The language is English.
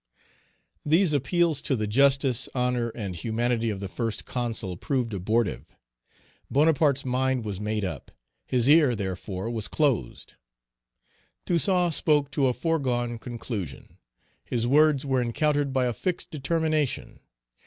These appeals to the justice, honor, and humanity of the Page 283 First Consul proved abortive. Bonaparte's mind was made up. His ear, therefore, was closed. Toussaint spoke to a foregone conclusion; his words were encountered by a fixed determination.